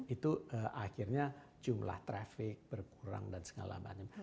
itu akhirnya jumlah traffic berkurang dan segala macam